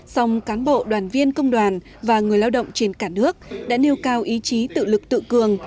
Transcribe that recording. song cán bộ đoàn viên công đoàn và người lao động trên cả nước đã nêu cao ý chí tự lực tự cường